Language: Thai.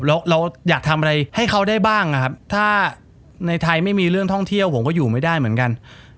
เราอยากทำอะไรให้เขาได้บ้างนะครับถ้าในไทยไม่มีเรื่องท่องเที่ยวผมก็อยู่ไม่ได้เหมือนกัน